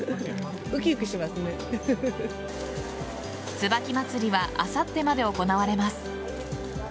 椿まつりはあさってまで行われます。